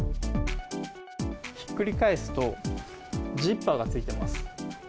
ひっくり返すとジッパーがついています。